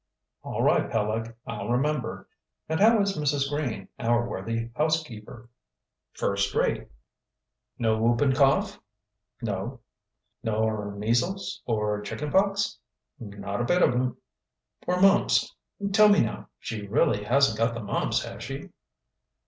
"All right, Peleg, I'll remember. And how is Mrs. Green, our worthy housekeeper?" "First rate." "No whooping cough?" "No." "Nor measles, or chicken pox?" "Not a bit of 'em." "Or mumps? Tell me, now, she really hasn't got the mumps, has she?"